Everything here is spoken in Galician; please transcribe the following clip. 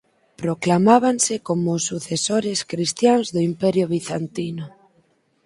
Proclamábanse como os sucesores cristiáns do Imperio Bizantino.